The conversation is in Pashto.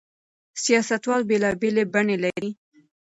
سياستوال بېلابېلې بڼې لري.